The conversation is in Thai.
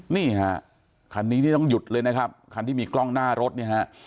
นี่ฮะคันนี้นี่ต้องหยุดเลยนะครับคันที่มีกล้องหน้ารถเนี่ยฮะ